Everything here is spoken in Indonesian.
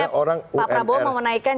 pak prabowo mau menaikkan